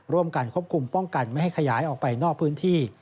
ร่วมกันควบคุมป้องกันไม่ให้ขยายออกไปนอกพื้นที่